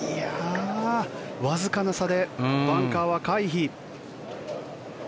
わずかな差でバンカーは回避。